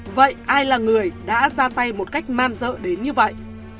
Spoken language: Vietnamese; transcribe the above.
vậy ai là người đã ra tay một cách man dợ đến như vậy